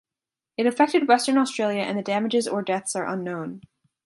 It affected Western Australia and the damages or deaths are unknown.